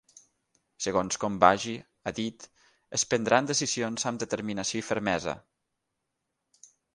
Segons com vagi, ha dit, es prendran decisions amb determinació i fermesa.